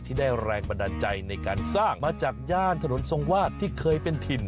ได้แรงบันดาลใจในการสร้างมาจากย่านถนนทรงวาดที่เคยเป็นถิ่น